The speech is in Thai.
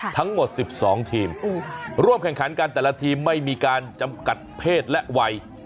ทั้งหมด๑๒ทีมร่วมแข่งขันกันแต่ละทีมไม่มีการจำกัดเพศและวัย